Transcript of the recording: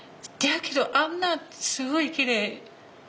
だけどあんなすごいきれい。